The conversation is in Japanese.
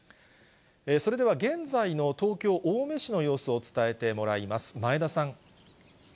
それでは、現在の東京・青梅市の様子を伝えてもらいます。